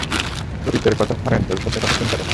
অতীতের কথা ছাড়েন ভবিষ্যতের কথা চিন্তা করেন।